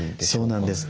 そうなんです。